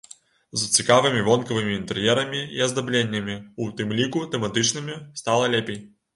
З цікавымі вонкавымі інтэр'ерамі і аздабленнямі, у тым ліку тэматычнымі, стала лепей.